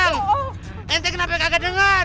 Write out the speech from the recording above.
anaknya kenapa gak dengar